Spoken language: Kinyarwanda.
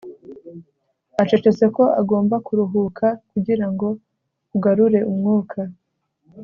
acecetse ko agomba kuruhuka kugirango agarure umwuka